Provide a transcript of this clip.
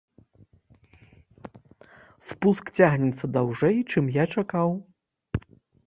Спуск цягнецца даўжэй, чым я чакаў.